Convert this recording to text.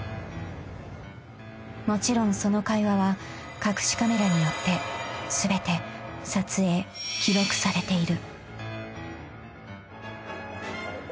［もちろんその会話は隠しカメラによって全て撮影記録されている］